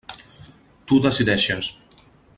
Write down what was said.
Tu decideixes.